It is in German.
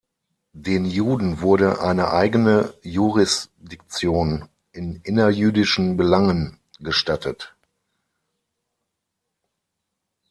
Den Juden wurde eine eigene Jurisdiktion in innerjüdischen Belangen gestattet.